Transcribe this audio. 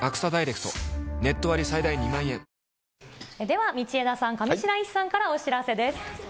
では道枝さん、上白石さんからお知らせです。